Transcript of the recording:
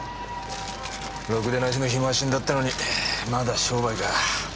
ろくでなしのヒモは死んだってのにまだ商売か。